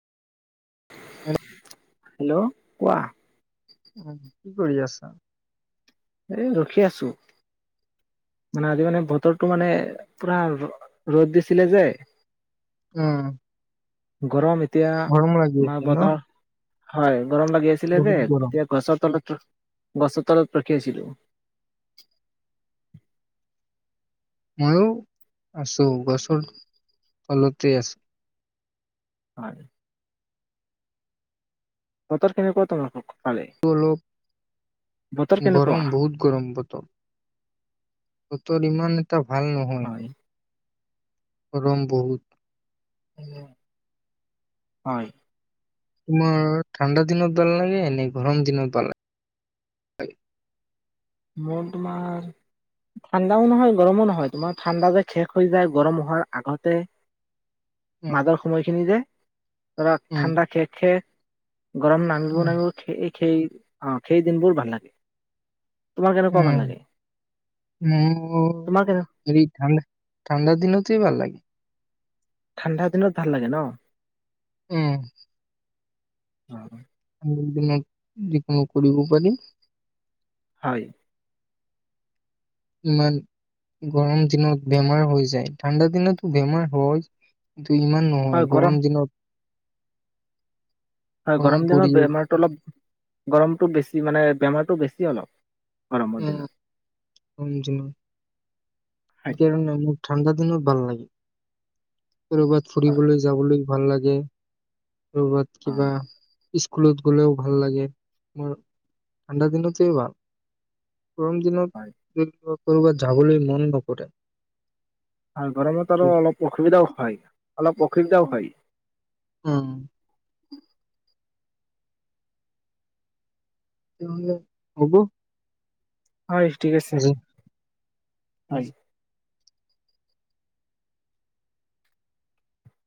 উ [unintelligible] হেল্ল' কোৱা উ কি কৰি আছা এ ৰখি আছো মানে আজি মানে বতৰটো মানে পুৰা ৰ'দ দিছিলে যে উম গৰম এতিয়া গৰম আমাৰ লাগিছে ন বতৰ হয় গৰম লাগি আছিলে যে বহুত গৰম। এতিয়া গছৰ তলত গছৰ তলত ৰখি আছিলো ময়ো আছো গছৰ তলতে আছো হয় বতৰ কেনেকুৱা তহঁতৰ অলপ বতৰ কেনেকুৱা গৰম বহুত গৰম বতৰ বতৰ ইমান টা ভাল নহয় হয় গৰম বহুত হয় তোমাৰ ঠাণ্ডা দিনত ভাল লাগে নে গৰম দিনত ভাল লাগে মোৰ তোমাৰ ঠাণ্ডাও নহয় গৰমো নহয় তোমাৰ ঠাণ্ডা যে শেষ হৈ যায় গৰম হোৱাৰ আগতে উম, মাজৰ সময়খিনি যে ধৰা উম, ঠাণ্ডা শেষ শেষ গৰম নামিব উম, নামিব সেই অ সেই দিনবোৰ ভাল লাগে তোমাৰ কেনেকুৱা ভাল লাগে উম উ তোমাৰ কেনে এই ঠাণ্ডা ঠাণ্ডাৰ দিনতে ভাল লাগে ঠাণ্ডা দিনত ভাল লাগে ন উম অ [inaudible] দিন বিলাক যিকোনো কৰিব পাৰি হয় ইমান গৰম দিনত বেমাৰ হৈ যায় ঠাণ্ডা দিনতো বেমাৰ হয় ইমান নহয় গৰম দিনত হয় গৰম দিনত বেমাৰতটো অলপ গৰমটো বেছি মানে বেমাৰ টো বেছি অলক কৰাম দিিন সমজ ন হয় ন ঠাণ্ডা দিনো ভাল লাগে ক'ৰবাত হয় ফুৰিবলৈ যাবলৈ ভাল লাগে ব অ কিবা স্কুলত গ'লেও ভাল লাগে তোমাৰ ঠাণ্ডা দিনতে ভাল গৰম হয় দিনত কৰ'ৰবাত যাবলৈ মন নকৰে হয় গৰমত আৰু উম অলপ অসুবিধাও হয় অলপ অসুবিধাও হয় অ হগো হয় ঠিক আছে হয়